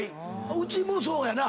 うちもそうやな。